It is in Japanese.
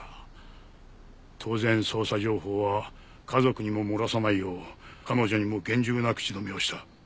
当然捜査情報は家族にも漏らさないよう彼女にも厳重な口止めをした。